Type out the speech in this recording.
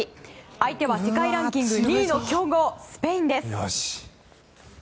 相手は世界ランキング２位の強豪、スペインです。